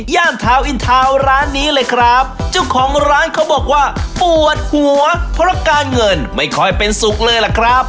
ทาวนอินทาวน์ร้านนี้เลยครับเจ้าของร้านเขาบอกว่าปวดหัวเพราะการเงินไม่ค่อยเป็นสุขเลยล่ะครับ